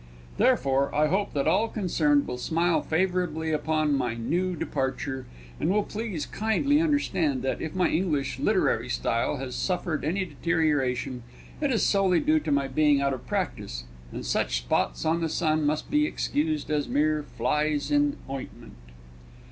Therefore, I hope that all concerned will smile favourably upon my new departure, and will please kindly understand that, if my English literary style has suffered any deterioration, it is solely due to my being out of practice, and such spots on the sun must be excused as mere flies in ointment.